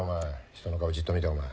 人の顔じっと見てお前。